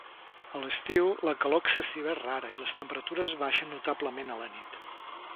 A l'estiu, la calor excessiva és rara i les temperatures baixen notablement a la nit.